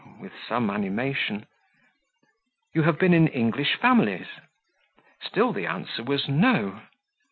with some animation. "You have been in English families?" Still the answer was "No."